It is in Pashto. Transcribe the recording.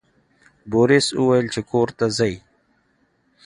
بوریس وویل چې کور ته ځئ.